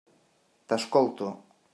T'escolto.